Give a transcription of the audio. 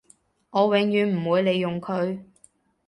我永遠唔會利用佢